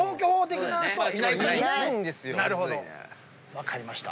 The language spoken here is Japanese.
分かりました。